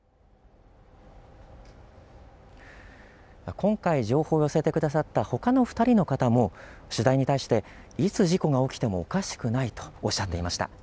今回、情報を寄せてくださったほかの２人の方も取材に対していつ事故が起きてもおかしくないとおっしゃっていました。